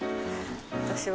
私は。